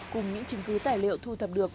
cùng những chứng cứ tài liệu thu thập được